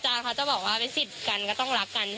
เนิร์ดไม่อยากมาบอกพวกหนูไม่อยากมาหาพวกหนู